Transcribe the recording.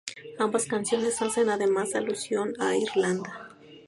Ambas canciones hacen además alusión a Irlanda.